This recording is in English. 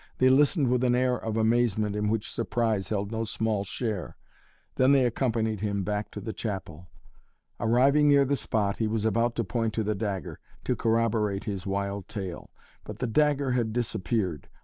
They listened with an air of amazement in which surprise held no small share. Then they accompanied him back to the chapel. Arriving near the spot he was about to point to the dagger, to corroborate his wild tale. But the dagger had disappeared.